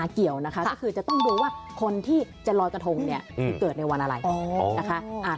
เกี่ยวนะคะก็คือจะต้องดูว่าคนที่จะลอยกระทงเนี่ยคือเกิดในวันอะไรนะคะ